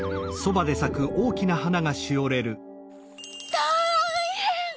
たいへん！